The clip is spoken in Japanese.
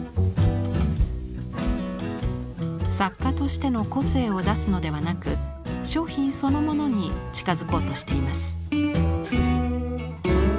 作家としての個性を出すのではなく商品そのものに近づこうとしています。